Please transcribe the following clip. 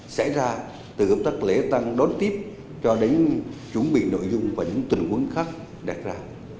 sẽ ra từ hợp tác lễ tăng đón tiếp cho đến chuẩn bị nội dung và những tình huống khác đạt ra